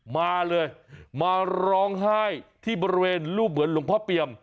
มาเลยมาร้องไห้ที่บริเวณรูปเหมือนหลวงพ่อเปียม